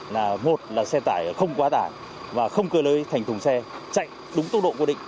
là một là xe tải không quá tải và không cơ lưới thành thùng xe chạy đúng tốc độ quy định